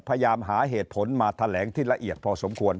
พยายามหาเหตุผลมาแถลงที่ละเอียดพอสมควร